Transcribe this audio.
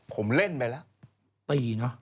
ผมเล่นไปแล้ว